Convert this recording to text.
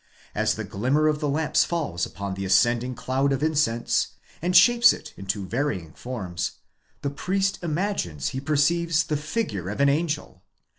As the glimmer of the lamps falls upon the ascending cloud of incense, and shapes it into varying forms, the priest imagines he perceives the figure of an angel.